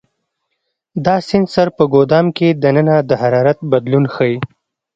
دا سنسر په ګدام کې دننه د حرارت بدلون ښيي.